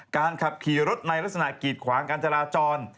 การขับขี่รถในลักษณะกีดขวางการจราจร